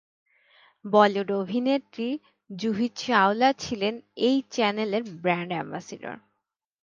বলিউড অভিনেত্রী জুহি চাওলা ছিলেন এই চ্যানেলের ব্রান্ড অ্যামবাসডর।